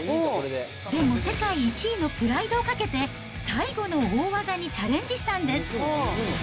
でも世界１位のプライドをかけて、最後の大技にチャレンジしたんです。